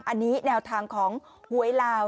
อันนี้แนวทางของหวยลาว